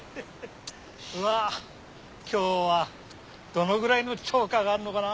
うわぁ今日はどのくらいの釣果があるのかな？